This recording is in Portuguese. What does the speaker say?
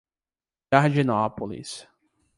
Jardinópolis